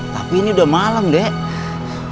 tapi ini udah malam dek